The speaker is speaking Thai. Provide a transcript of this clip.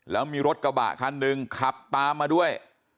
แล้วมีรถกระบะคันหนึ่งขับตามมาด้วย